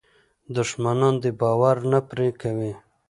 دښمنان دې باور نه پرې کوي.